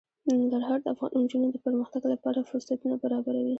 ننګرهار د افغان نجونو د پرمختګ لپاره فرصتونه برابروي.